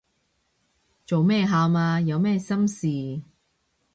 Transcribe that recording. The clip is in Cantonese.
做咩喊啊？有咩心事